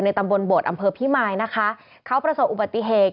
ในตำบลบทอำเภอพี่ไมค์นะคะเขาประสบอุบัติเหตุ